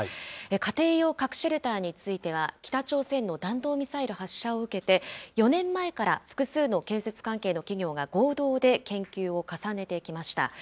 家庭用核シェルターについては、北朝鮮の弾道ミサイル発射を受けて、４年前から複数の建設関係の企業が合同で研究を重ねてきました。